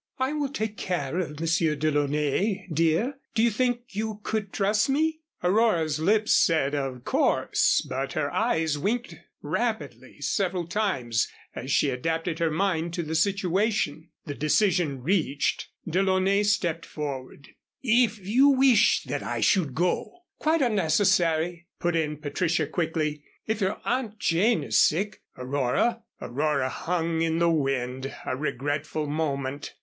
"I will take care of the Monsieur DeLaunay, dear. Do you think you could trust me?" Aurora's lips said, "Of course," but her eyes winked rapidly several times as she adapted her mind to the situation. The decision reached, DeLaunay stepped forward. "If you wish that I should go " "Quite unnecessary," put in Patricia, quickly. "If your aunt Jane is sick, Aurora " Aurora hung in the wind a regretful moment.